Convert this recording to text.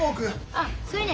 あっそれね